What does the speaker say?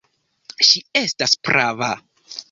Ŝi estas prava.